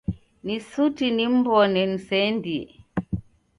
Ni suti nim'mbone niseendie.